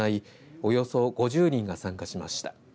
およそ５０人が参加しました。